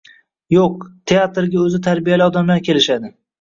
Yo‘q, teatrga o‘zi tarbiyali odamlar kelishadi.